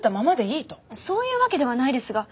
そういうわけではないですが。